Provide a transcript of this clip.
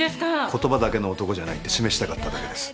言葉だけの男じゃないって示したかっただけです。